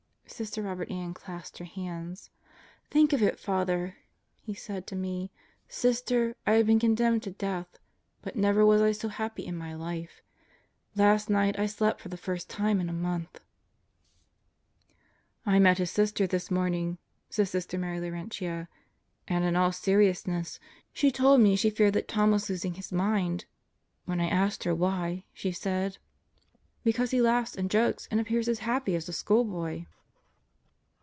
Sister Robert Ann clasped her hands. "Think of it, Father! He said to me: 'Sister, I have been condemned to death, but never was I so happy in my life. ... Last night I slept for the first time in a month!' " "I met his sister this morning," said Sister Mary Laurentia, "and in all seriousness, she told me she feared that Tom was losing his mind. When I asked her why, she said, because he laughs and jokes and appears as happy as a schoolboy."